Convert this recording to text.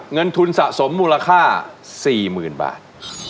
เงินทุนสะสมมูลค่า๔๐๐๐บาท